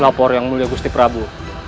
lapor yang mulia gusti prabu